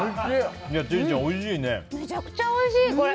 めちゃくちゃおいしい。